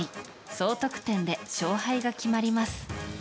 総得点で勝敗が決まります。